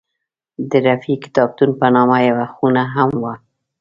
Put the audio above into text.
د رفیع کتابتون په نامه یوه خونه هم وه.